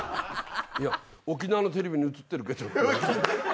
「沖縄のテレビに映ってるけど」って言われて。